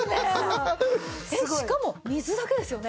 えっしかも水だけですよね？